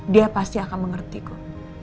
dia pasti akan mengerti ko